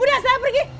udah saya pergi